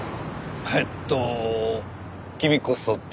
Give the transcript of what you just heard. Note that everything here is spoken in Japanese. えっと君こそ誰？